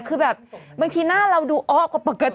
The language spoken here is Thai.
คือแบบบางทีหน้าเราดูอ๋อกว่าปกติ